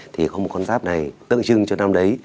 thì có một con giáp này tượng trưng cho năm đấy